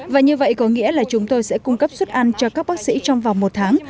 và như vậy có nghĩa là chúng tôi sẽ cung cấp suất ăn cho các bác sĩ trong vòng một tháng